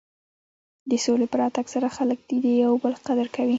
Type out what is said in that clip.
د سولې په راتګ سره خلک د یو بل قدر کوي.